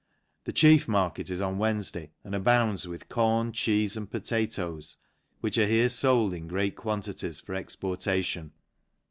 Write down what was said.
The chief mar ket is on Wednesday, and abounds with corn, cheefe, and potatoes, which are here fold in great quantities for exportation.